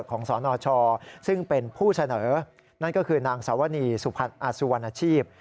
สนชซึ่งเป็นผู้เสนอนั่นก็คือนางสาวนีสุพรรณอสุวรรณชีพ